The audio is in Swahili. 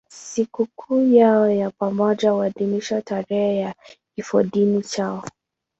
Sikukuu yao ya pamoja huadhimishwa tarehe ya kifodini chao.